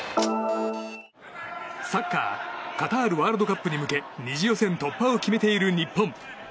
サッカーカタールワールドカップに向け２次予選突破を決めている日本。